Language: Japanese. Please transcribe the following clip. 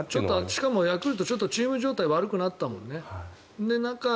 しかもヤクルトちょっとチーム状態悪くなったもんね。